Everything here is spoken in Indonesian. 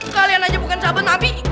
kalian aja bukan sahabat nabi